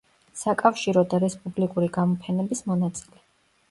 საკავშირო და რესპუბლიკური გამოფენების მონაწილე.